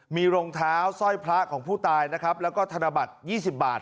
มีรองเท้าสร้อยพระของผู้ตายนะครับแล้วก็ธนบัตร๒๐บาท